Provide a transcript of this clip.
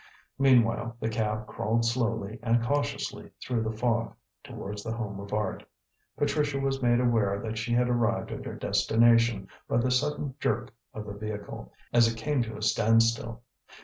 Meanwhile the cab crawled slowly and cautiously through the fog, towards The Home of Art. Patricia was made aware that she had arrived at her destination by the sudden jerk of the vehicle, as it came to a standstill.